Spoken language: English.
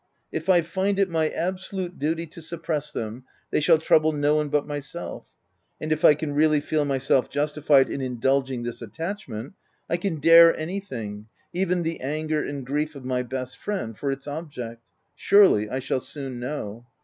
If I find it my absolute duty to suppress them, they shall trouble no one but myself; and if I can really feel myself justified in in dulging this attachment, I can dare anything, even the anger and grief of my best friend, for its object — surely, I shall soon know.